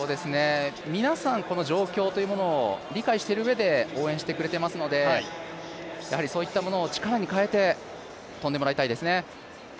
皆さん、この状況を理解しているうえで応援してくれていますのでやはりそういったものを力に変えて跳んでもらいたいですね。